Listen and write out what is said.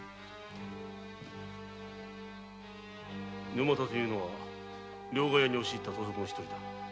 沼田というのは両替屋に押し入った盗賊の一人だ。